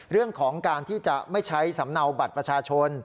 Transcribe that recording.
เรื่องของการที่จะไม่ใช้สำเนาบัตรประชาชน